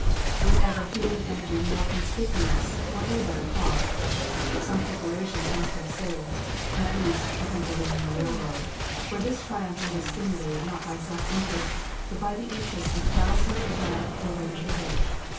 Was ever human energy more conspicuous, or in a better cause? Some corporations must have souls at least, the Pennsylvania Railroad for this triumph was stimulated not by self interest, but by the interests of thousands dead or ready to perish.